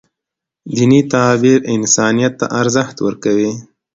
دیني تعبیر انسانیت ته ارزښت ورکوي.